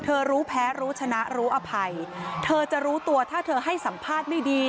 รู้แพ้รู้ชนะรู้อภัยเธอจะรู้ตัวถ้าเธอให้สัมภาษณ์ไม่ดี